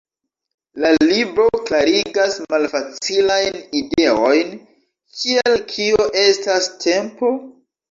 La libro klarigas malfacilajn ideojn, kiel "kio estas tempo?